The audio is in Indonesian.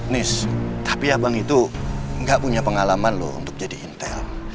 nis tapi abang itu nggak punya pengalaman loh untuk jadi intel